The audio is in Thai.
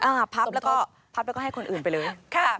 พับแล้วก็พับแล้วก็ให้คนอื่นไปเลยค่ะ